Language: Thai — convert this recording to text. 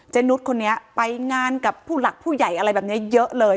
นุษย์คนนี้ไปงานกับผู้หลักผู้ใหญ่อะไรแบบนี้เยอะเลย